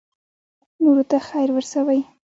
نورو ته خیر ورسوئ